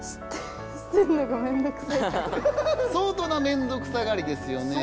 相当なめんどくさがりですよねぇ。